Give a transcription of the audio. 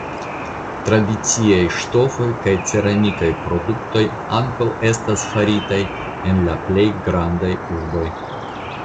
Tradiciaj ŝtofoj kaj ceramikaj produktoj ankaŭ estas faritaj en la pli grandaj urboj.